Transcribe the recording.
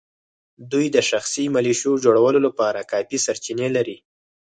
دوی د شخصي ملېشو جوړولو لپاره کافي سرچینې لري.